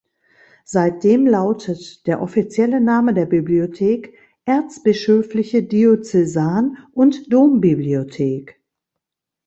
Seitdem lautet der offizielle Name der Bibliothek "Erzbischöfliche Diözesan- und Dombibliothek".